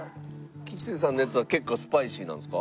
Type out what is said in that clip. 吉瀬さんのやつは結構スパイシーなんですか？